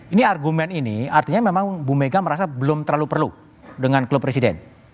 ini argumen ini artinya memang bu mega merasa belum terlalu perlu dengan klub presiden